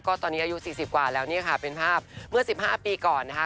ก็ตอนนี้อายุ๔๐กว่าแล้วเนี่ยค่ะเป็นภาพเมื่อ๑๕ปีก่อนนะคะ